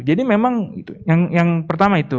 jadi memang yang pertama itu